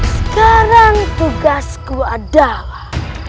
sekarang tugasku adalah